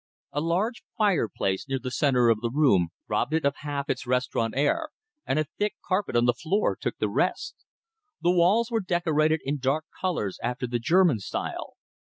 A large fireplace near the center of the room robbed it of half its restaurant air; and a thick carpet on the floor took the rest. The walls were decorated in dark colors after the German style.